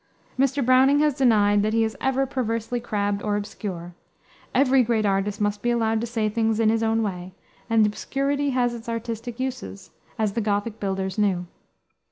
Mr. Browning has denied that he is ever perversely crabbed or obscure. Every great artist must be allowed to say things in his own way, and obscurity has its artistic uses, as the Gothic builders knew.